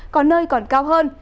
có nơi còn cao hơn